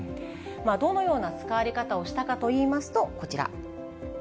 どのような使われ方をしたかといいますと、こちら。